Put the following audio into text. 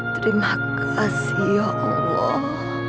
terima kasih ya allah